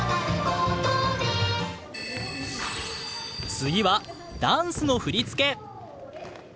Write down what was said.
次はダンスの振り付け。